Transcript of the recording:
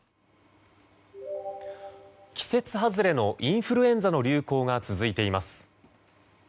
季節外れのインフルエンザの流行が続いています。